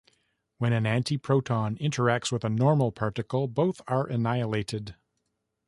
When an antiproton interacts with a normal particle, both are annihilated.